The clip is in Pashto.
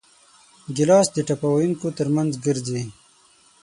ګیلاس د ټپه ویونکو ترمنځ ګرځي.